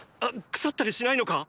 腐ったりしないのか？